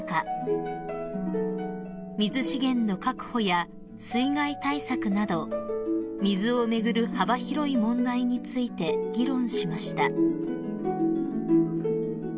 ［水資源の確保や水害対策など水を巡る幅広い問題について議論しました］